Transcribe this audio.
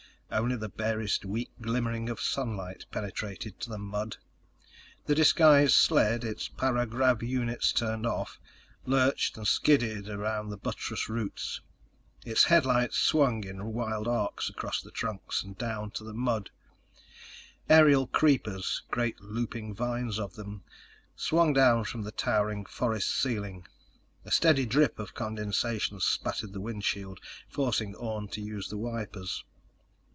Only the barest weak glimmering of sunlight penetrated to the mud. The disguised sled—its para grav units turned off—lurched and skidded around buttress roots. Its headlights swung in wild arcs across the trunks and down to the mud. Aerial creepers—great looping vines of them—swung down from the towering forest ceiling. A steady drip of condensation spattered the windshield, forcing Orne to use the wipers.